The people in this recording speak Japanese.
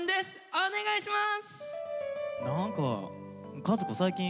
お願いします。